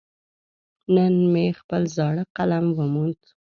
نن مې خپل زاړه قلم وموند.